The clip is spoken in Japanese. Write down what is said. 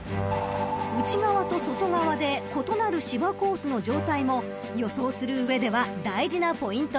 ［内側と外側で異なる芝コースの状態も予想する上では大事なポイントなんです］